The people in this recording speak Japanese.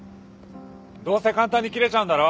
どうせ簡単に切れちゃうんだろ？